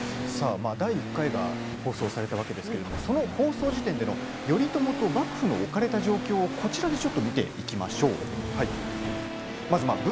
第１回が放送されたわけですけれど放送時点での頼朝と幕府の置かれた状況をこちらにちょっと見ていきましょう。